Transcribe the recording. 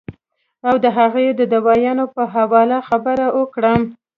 او د هغې د دوايانو پۀ حواله خبره اوکړم